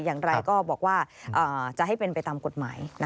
อย่างไรก็บอกว่าจะให้เป็นไปตามกฎหมาย